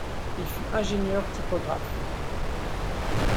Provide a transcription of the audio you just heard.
Il fut ingénieur-typographe.